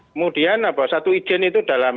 kemudian satu izin itu dalam